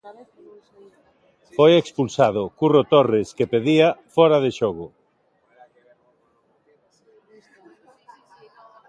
Foi expulsado Curro Torres, que pedía fóra de xogo.